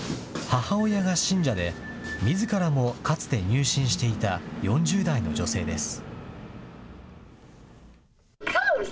母親が信者で、みずからもかつて入信していた４０代の女性です。